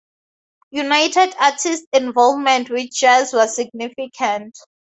United Artists involvement with jazz was significant.